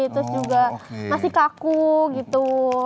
terus juga masih kaku gitu